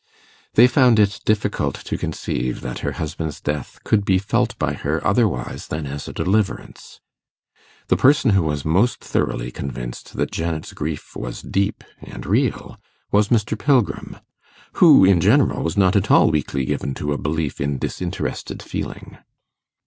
They found it difficult to conceive that her husband's death could be felt by her otherwise than as a deliverance. The person who was most thoroughly convinced that Janet's grief was deep and real, was Mr. Pilgrim, who in general was not at all weakly given to a belief in disinterested feeling.